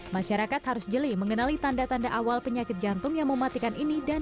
masyarakat harus jeli mengenali tanda tanda awal penyakit jantung yang mematikan ini dan